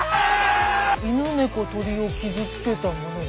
犬猫鶏を傷つけたものは。